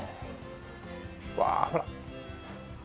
わあほら。